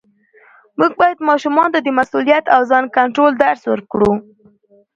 موږ باید ماشومانو ته د مسؤلیت او ځان کنټرول درس ورکړو